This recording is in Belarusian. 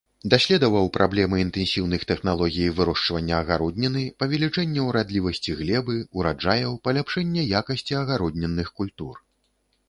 Даследаваў праблемы інтэнсіўных тэхналогій вырошчвання агародніны, павелічэння ўрадлівасці глебы, ураджаяў, паляпшэння якасці агароднінных культур.